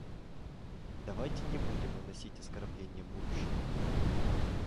Давайте не будем наносить оскорбления будущему.